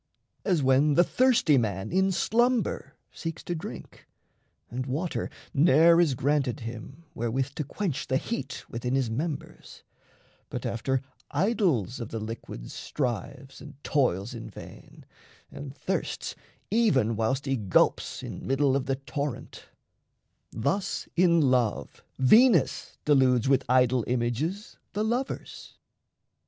As when the thirsty man in slumber seeks To drink, and water ne'er is granted him Wherewith to quench the heat within his members, But after idols of the liquids strives And toils in vain, and thirsts even whilst he gulps In middle of the torrent, thus in love Venus deludes with idol images The lovers.